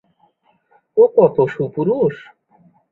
ও কত সুপুরুষ!